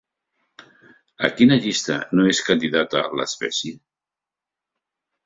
A quina llista no és candidata l'espècie?